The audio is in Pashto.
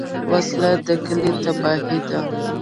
وسله د کلي تباهي ده